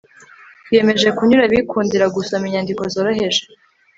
twiyemeje kunyura abikundira gusoma inyandiko zoroheje